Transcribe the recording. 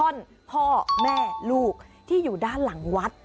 อ้อนพ่อแม่ลูกที่อยู่ด้านหลังวัด